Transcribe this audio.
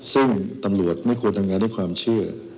ซึ่งตำรวจไม่ควรทำงานด้วยความเชื่อ